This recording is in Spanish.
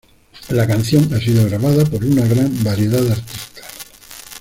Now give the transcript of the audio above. La canción ha sido grabada por una gran variedad de artistas.